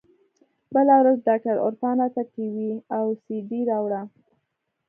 بله ورځ ډاکتر عرفان راته ټي وي او سي ډي راوړه.